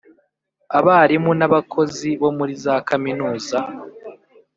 abarimu n’abakozi muri za kaminuza